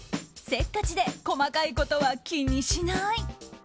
せっかちで細かいことは気にしない。